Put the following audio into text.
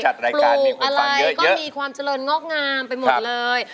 ปลูกอะไรก็มีความเจริญงอกงามไปหมดเลย